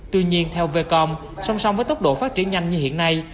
tuy nhiên theo vecom song song với tốc độ phát triển nhanh như hiện nay